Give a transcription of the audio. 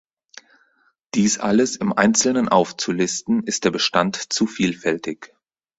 Dies alles im Einzelnen aufzulisten ist der Bestand zu vielfältig.